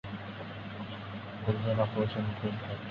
প্রযোজনা করেছেন মুকেশ ভাট।